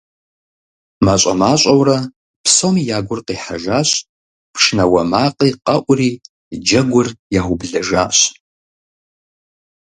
МащӀэ-мащӀэурэ псоми я гур къихьэжащ, пшынауэ макъи къэӀури, джэгур яублэжащ.